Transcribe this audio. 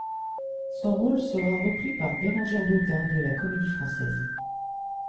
Son rôle sera repris par Bérengère Dautun de la Comédie-Française.